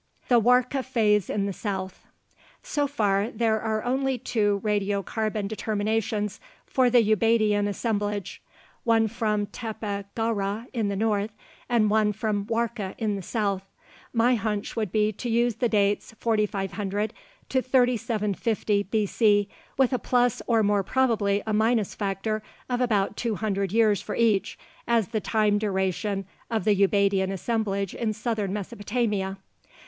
THE WARKA PHASE IN THE SOUTH So far, there are only two radiocarbon determinations for the Ubaidian assemblage, one from Tepe Gawra in the north and one from Warka in the south. My hunch would be to use the dates 4500 to 3750 B.C., with a plus or more probably a minus factor of about two hundred years for each, as the time duration of the Ubaidian assemblage in southern Mesopotamia.